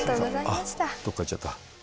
あっどっか行っちゃった。